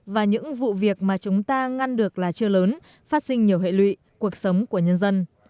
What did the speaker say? và những vụ việc mà chúng ta ngăn được là chưa lớn phát sinh nhiều hệ lụy cuộc sống của nhân dân